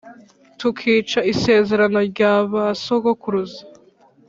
tukica isezerano rya ba sogokuruza?